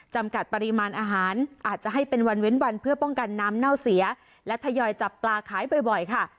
จำกัดปริมาณอาหารอาจจะให้เป็นวันเว้นวันเพื่อป้องกันน้ำเน่าเสียและทยอยจับปลาขายบ่อยค่ะ